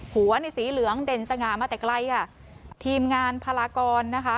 หัวนี่สีเหลืองเด่นสง่ามาแต่ไกลอ่ะทีมงานพลากรนะคะ